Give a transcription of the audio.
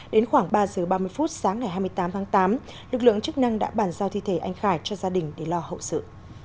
đến khoảng ba giờ ba mươi phút sáng ngày hai mươi tám tháng tám lực lượng chức năng đã bàn giao thi thể anh khải cho gia đình để lo hậu sự